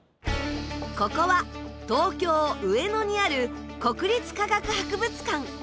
ここは東京・上野にある国立科学博物館。